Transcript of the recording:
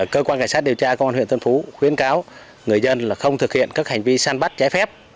cơ quan cảnh sát điều tra công an huyện tân phú khuyến cáo người dân là không thực hiện các hành vi săn bắt trái phép